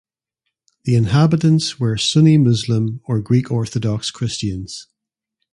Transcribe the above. The inhabitants were Sunni Muslim or Greek Orthodox Christians.